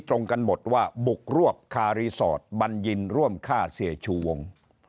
ตรงกันหมดว่าบุกรวบคารีสอร์ทบัญญินร่วมฆ่าเสียชูวง